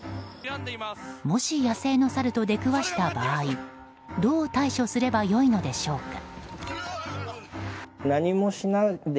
もし、野生のサルと出くわした場合どう対処すればよいのでしょうか。